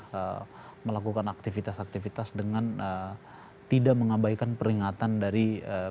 untuk himbauan kepada masyarakat adalah melakukan aktivitas aktivitas dengan tidak mengabaikan peringatan dari badan meteorologi klimatologi dan geofisika